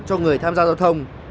cho người tham gia giao thông